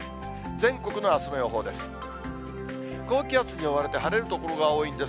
全国のあすの予報です。